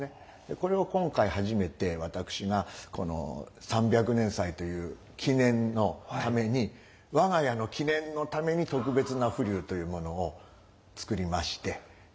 これを今回初めて私がこの３００年祭という記念のために我が家の記念のために特別な風流というものを作りまして。